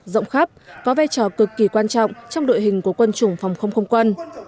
rộng khắp có vai trò cực kỳ quan trọng trong đội hình của quân chủng phòng không không quân